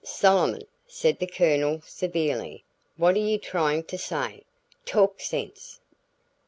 "Solomon," said the Colonel severely, "what are you trying to say? Talk sense."